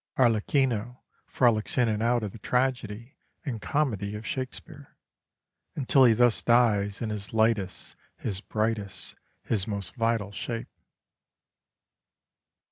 Arlecchino frolics in and out of the tragedy and comedy of Shakespeare, until he thus dies in his lightest, his brightest, his most vital shape.